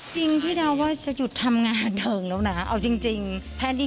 จริงพี่ดาวว่าจะหยุดทำงานเดิมแล้วนะเอาจริง